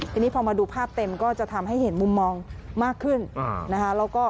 ทีนี้พอมาดูภาพเต็มก็จะทำให้เห็นมุมมองมากขึ้นนะคะ